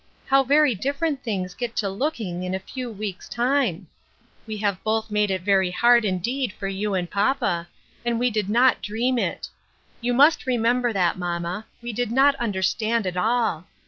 How very different things get to looking in a few weeks' rime ! We have both made it very hard indeed for you and papa, and we did not dream it. You must remember that, mamma ; we did not understand at all.